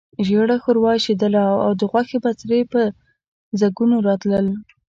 ژېړه ښوروا اېشېدله او غوښې بڅري په ځګونو راتلل.